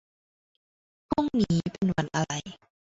พรุ่งนี้เป็นวันอะไร